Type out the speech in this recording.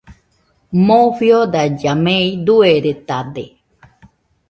Moo fiodailla mei dueredade